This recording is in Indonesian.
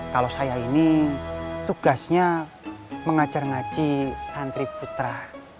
kalau saya ini tugasnya mengajar ngaji santri putra